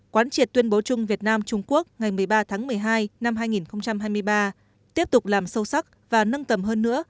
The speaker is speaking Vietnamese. quán triệt tuyên bố chung việt nam trung quốc ngày một mươi ba tháng một mươi hai năm hai nghìn hai mươi ba tiếp tục làm sâu sắc và nâng tầm hơn nữa